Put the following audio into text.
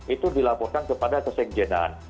itu dilaporkan kepada kesengjenaan